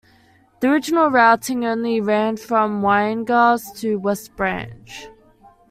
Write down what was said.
The original routing only ran from Winegars to West Branch.